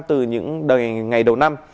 từ những ngày đầu năm